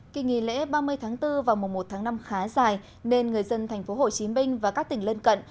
kỳ nghỉ lễ ba mươi tháng bốn vào mùa một tháng năm khá dài nên người dân thành phố hồ chí minh và các tỉnh lân cận